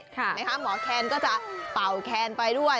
ไม๊คะหมอแคนก็จะเปร่าแคนไปด้วย